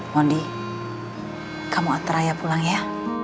mondi kamu antar raya pulang ya